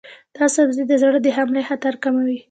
دا سبزی د زړه د حملې خطر کموي.